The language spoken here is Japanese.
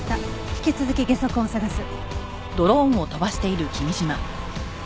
引き続きゲソ痕を捜す。